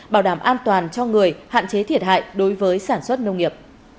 bảo đảm an toàn cho người hạn chế thiệt hại đối với sản xuất nông nghiệp